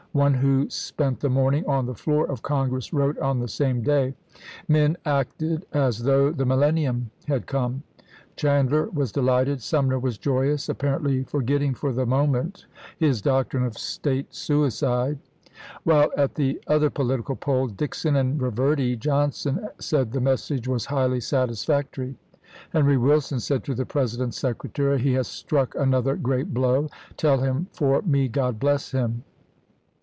One who spent the morning on the floor of Con gress wrote on the same day: "Men acted as though the millennium had come. Chandler was delighted, Sumner was joyous, apparently forget ting for the moment his doctrine of State suicide ; x while at the other political pole Dixon and Eeverdy Johnson said the message was highly satisfactory." Henry Wilson said to the President's secretary: " He has struck another great blow. Tell him for me, God bless him."